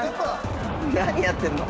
何やってんの？